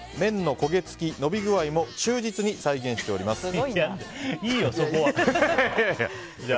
麺の焦げ付き伸び具合も忠実に再現しております。